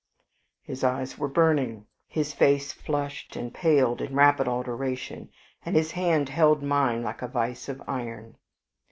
His eyes were burning, his face flushed and paled in rapid alternation, and his hand held mine like a vice of iron.